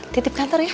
titip kantor ya